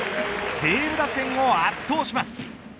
西武打線を圧倒します。